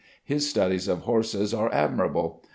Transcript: His studies of horses are admirable.